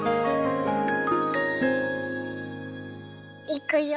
いくよ。